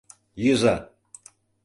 Йӱза!